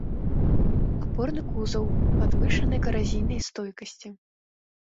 Апорны кузаў падвышанай каразійнай стойкасці.